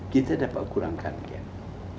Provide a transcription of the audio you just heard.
kita dapat kurangkan gap